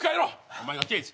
お前が刑事。